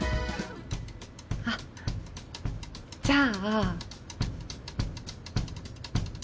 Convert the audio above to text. あじゃあ。